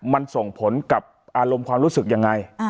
มันส่งผลกับอารมณ์ความรู้สึกยังไง